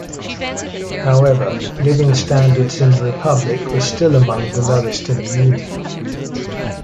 However, living standards in the republic were still among the lowest in the Union.